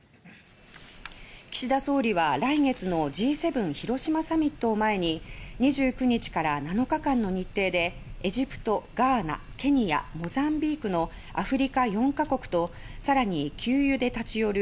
岸田総理は来月のＧ７広島サミット前に２９日から７日間の日程でエジプト、ガーナモザンビークのアフリカ４カ国とさらに給油で立ち寄る